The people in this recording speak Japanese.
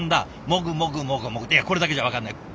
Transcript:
いやこれだけじゃ分かんない。